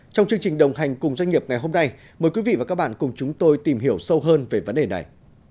trong chương trình đồng hành cùng doanh nghiệp ngày hôm nay mời quý vị và các bạn cùng chúng tôi tìm hiểu sâu hơn về vấn đề này